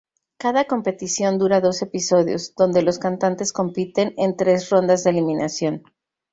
Cada competición dura dos episodios, donde los cantantes compiten en tres rondas de eliminación.